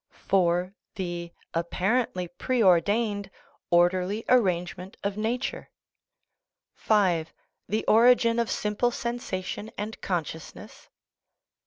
(4) The (apparently preordained) or derly arrangement of nature. (5) The origin of simple sensation and consciousness.